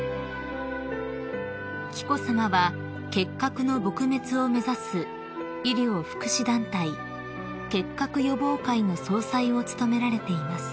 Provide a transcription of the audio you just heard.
［紀子さまは結核の撲滅を目指す医療・福祉団体結核予防会の総裁を務められています］